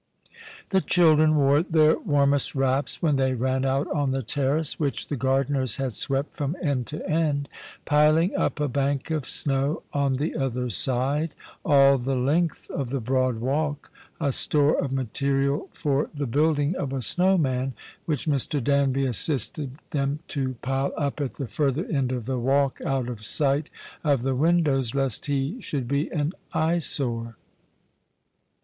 The children wore their warmest wraps when they ran out on the terrace, which the gardeners had swept from end to end, piling up a bank of snow on the outer side, all the length of the broad walk, a store of material for the building of a snow man which Mr. Danby assisted them to pile up at the further end of the walk, out of sight of the windows, lest he should be an eyesore.